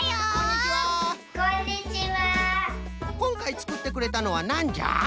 こんかいつくってくれたのはなんじゃ？